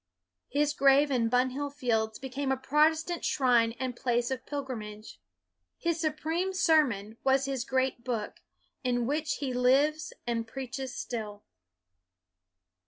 His grave in Bunhill Fields became a Protestant shrine and place of pilgrim age. His supreme sermon was his great book, in which he lives and preaches still.